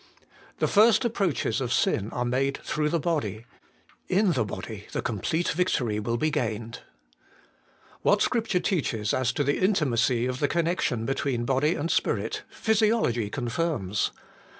The first approaches of sin are made through the body: in the body the complete victory will be gained. What Scripture teaches as to the intimacy' of the connection between the body and spirit, physiology confirms.